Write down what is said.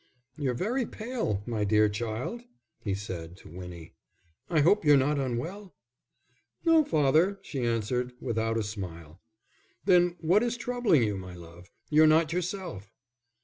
"You're very pale, my dear child," he said to Winnie, "I hope you're not unwell?" "No, father," she answered, without a smile. "Then what is troubling you, my love? You're not yourself."